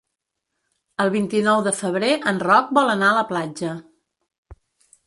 El vint-i-nou de febrer en Roc vol anar a la platja.